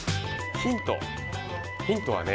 ヒントはね